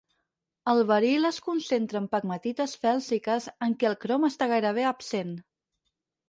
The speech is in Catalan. El beril es concentra en pegmatites fèlsiques en què el crom està gairebé absent.